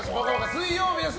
水曜日です。